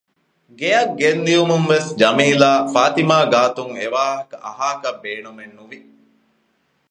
ގެއަށް ގެންދިޔުމުންވެސް ޖަމީލާ ފާތިމާ ގާތުން އެވާހަކަ އަހާކަށް ބޭނުމެއް ނުވި